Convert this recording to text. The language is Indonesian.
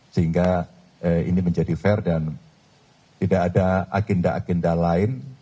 sehingga ini menjadi fair dan tidak ada agenda agenda lain